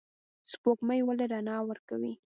سپوږمۍ ولې رڼا ورکوي؟